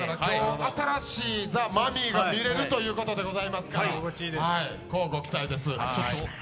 新しいザ・マミィが見られるということですから、乞うご期待です。